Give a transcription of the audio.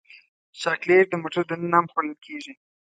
چاکلېټ د موټر دننه هم خوړل کېږي.